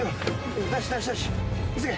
急げ。